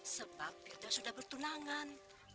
sebab pirda sudah bertunangan